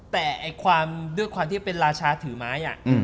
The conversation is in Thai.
แต่ความด้วยความที่เป็นราชาถือไม้